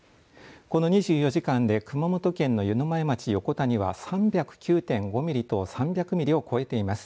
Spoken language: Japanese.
この２４時間で熊本県の湯前町横田には３０９．５ミリと３００ミリを超えています。